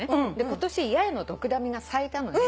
今年八重のドクダミが咲いたの。